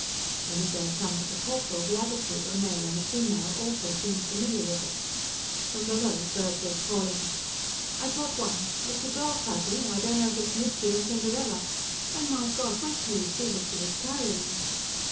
When he gave some to the corporal, the other two, a male and a female, also seemed familiar with it. From below, Gerd was calling: "I got one, It's a girl Fuzzy; I don't know if it's Mitzi or Cinderella. And, my God, wait till you see what she was carrying."